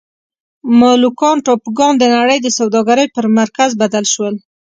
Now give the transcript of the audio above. مولوکان ټاپوګان د نړۍ د سوداګرۍ پر مرکز بدل شول.